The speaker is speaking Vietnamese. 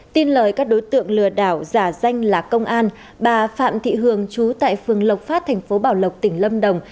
tin lời các đối tượng lừa đảo giả danh là công an bà phạm thị hường chú tại phường lộc phát thành phố bảo lộc tỉnh lâm đồng